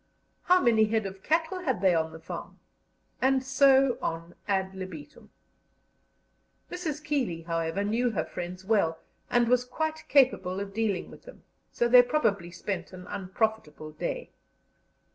How many head of cattle had they on the farm? And so on ad libitum. Mrs. Keeley, however, knew her friends well, and was quite capable of dealing with them, so they probably spent an unprofitable day.